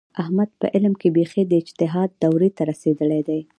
احمد په علم کې بیخي د اجتهاد دورې ته رسېدلی دی.